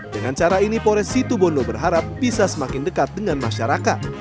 dengan cara ini pores situbondo berharap bisa semakin dekat dengan masyarakat